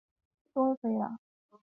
母于氏。